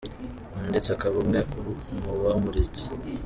mu ndetse akaba Umwe mu bamuritse.